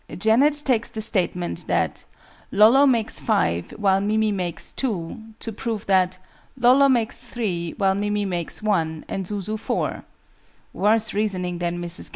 JANET takes the statement, that "Lolo makes 5 while Mimi makes 2," to prove that "Lolo makes 3 while Mimi makes 1 and Zuzu 4" (worse reasoning than MRS.